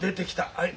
はい。